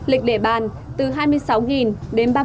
lịch để bàn từ hai mươi sáu ba mươi bảy đồng một sản phẩm